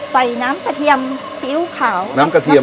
ใส่น้ำกระเทียมซีอิ๊วขาวน้ำกระเทียม